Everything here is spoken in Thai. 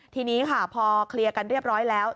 ทีนี้ค่ะพอเคลียร์กันเรียบร้อยแล้ว